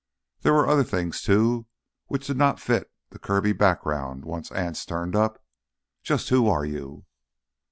There were other things, too, which did not fit with the Kirby background once Anson turned up. Just who are you?"